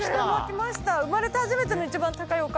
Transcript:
生まれて初めての一番高いお買い物で。